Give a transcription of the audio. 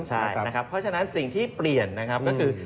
ใช่นะครับเพราะฉะนั้นสิ่งที่เปลี่ยนนะครับก็คือ